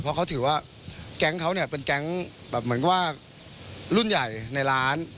เพราะเขาถือว่าแก๊งเขาเนี่ยเป็นแก๊งแบบเหมือนกับว่ารุ่นใหญ่ในร้าน